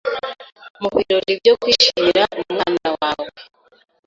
mu birori byo kwishimira umwana wawe